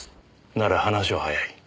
なら話は早い。